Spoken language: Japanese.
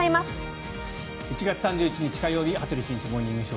１月３１日、火曜日「羽鳥慎一モーニングショー」。